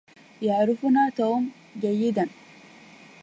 يعرفنا توم جيدا